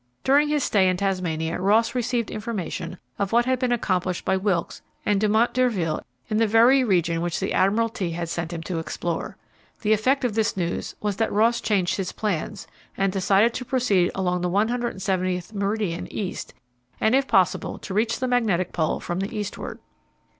During his stay in Tasmania Ross received information of what had been accomplished by Wilkes and Dumont d'Urville in the very region which the Admiralty had sent him to explore. The effect of this news was that Ross changed his plans, and decided to proceed along the 170th meridian E., and if possible to reach the Magnetic Pole from the eastward.